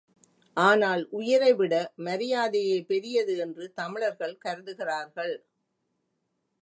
ஆனால் உயிரைவிட மரியாதையே பெரியது என்று தமிழர்கள் கருதுகிறார்கள்.